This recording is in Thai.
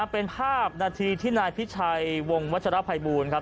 เป็นภาพนาทีที่นายพิชัยวงวัชรภัยบูลครับ